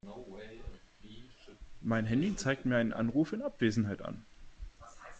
Mein Handy zeigt mir einen Anruf in Abwesenheit an.